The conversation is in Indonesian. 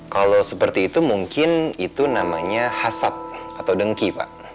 kalau seperti itu mungkin itu namanya hasad atau dengki pak